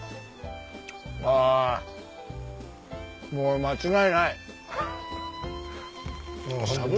もう間違いない。